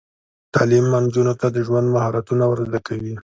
تعلیم نجونو ته د ژوند مهارتونه ور زده کوي.